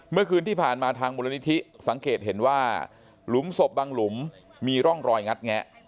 เมื่อคืนที่ผ่านมาทางมูลนิธิสังเกตเห็นว่าหลุมศพบางหลุมมีร่องรอยงัดแงะ